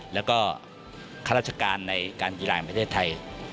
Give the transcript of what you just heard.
และก็คัตรราชการในการกีฬาอย่างประเทศไทย